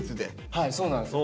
はいそうなんです。